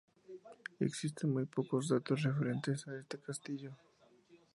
Existen muy pocos datos referentes a este castillo.